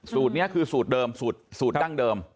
สูตรนี้คือสูตรเดิมสูตรดั้งเดิม